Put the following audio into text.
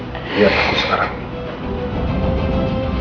lihat aku sekarang